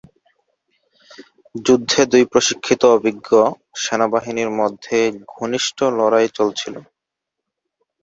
যুদ্ধে দুই প্রশিক্ষিত অভিজ্ঞ সেনাবাহিনীর মধ্যে ঘনিষ্ঠ লড়াই হয়েছিল।